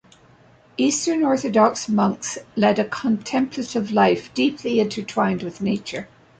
Eastern Orthodox monks led a contemplative life deeply intertwined with nature.